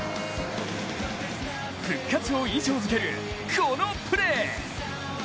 復活を印象づける、このプレー！